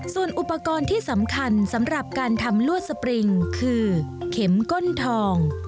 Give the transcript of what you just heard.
ส่วนอุปกรณ์ที่สำคัญสำหรับการทำลวดสปริงคือเข็มก้นทอง